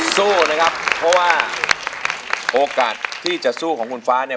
สู้นะครับเพราะว่าโอกาสที่จะสู้ของคุณฟ้าเนี่ย